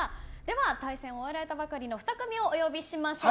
対戦を終えたばかりの２組をお呼びしましょう。